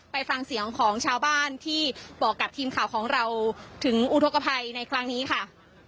ไปฟังเสียงของชาวบ้านที่บอกกับทีมข่าวของเราถึงอุทธกภัยในครั้งนี้ค่ะ